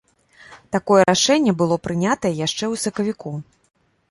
Такое рашэнне было прынятае яшчэ ў сакавіку.